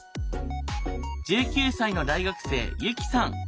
１９歳の大学生ユキさん。